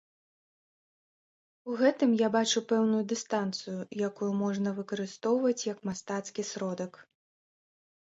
У гэтым я бачу пэўную дыстанцыю, якую можна выкарыстоўваць як мастацкі сродак.